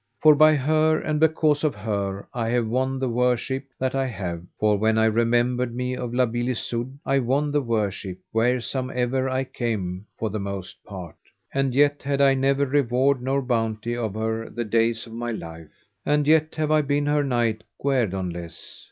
For by her, and because of her, I have won the worship that I have; for when I remembered me of La Beale Isoud I won the worship wheresomever I came for the most part; and yet had I never reward nor bounté of her the days of my life, and yet have I been her knight guerdonless.